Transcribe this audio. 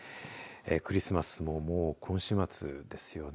クリスマスももう今週末ですよね。